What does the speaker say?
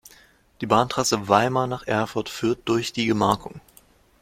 Die Bahntrasse Weimar nach Erfurt führt durch die Gemarkung.